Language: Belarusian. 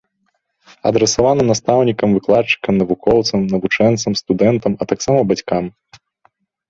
Адрасавана настаўнікам, выкладчыкам, навукоўцам, навучэнцам, студэнтам, а таксама бацькам.